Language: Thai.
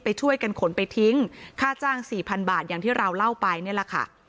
ไปช่วยกันขนไปทิ้งค่าจ้างสี่พันบาทอย่างที่เราเล่าไปนี่แหละค่ะ